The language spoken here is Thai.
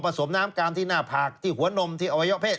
สมน้ำกามที่หน้าผากที่หัวนมที่อวัยวะเพศ